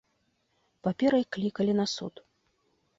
Паперай клікалі на суд.